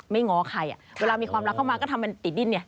ง้อใครเวลามีความรักเข้ามาก็ทำเป็นติดดิ้นไง